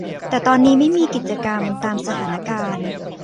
แต่ตอนนี้ไม่มีกิจกรรม ตามสถานการณ์